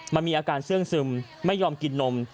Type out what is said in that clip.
มันมีอาการเสื้องซึมไม่ยอมกินนม